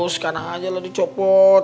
sekarang aja lah dicopot